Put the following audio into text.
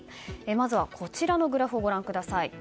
まずは、こちらのグラフをご覧ください。